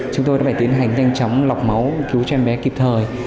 chúng tôi đã phải tiến hành nhanh chóng lọc máu cứu cho em bé kịp thời